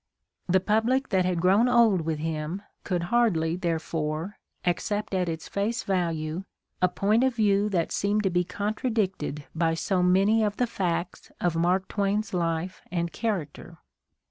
The public that had grown old with him could hardly, therefore, accept at its face value a point of view that seemed to be contradicted by so many of the facts of Mark Twain's life and character.